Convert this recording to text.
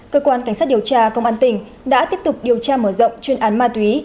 cơ quan cảnh sát điều tra công an tỉnh đã tiếp tục điều tra mở rộng chuyên án ma túy